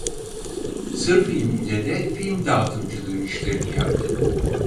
Sır Film ile de film dağıtımcılığı işlerini yaptı.